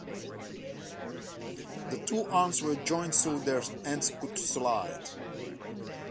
The two arms were joined so that their ends could slide.